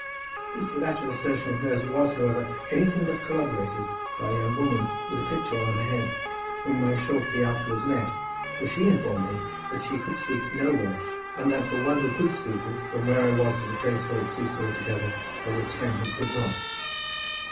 This latter assertion of hers was, however, anything but corroborated by a young woman, with a pitcher on her head, whom I shortly afterwards met, for she informed me that she could speak no Welsh, and that for one who could speak it, from where I was to the place where it ceased altogether, there were ten who could not.